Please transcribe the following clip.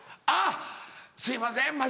あっ「すいません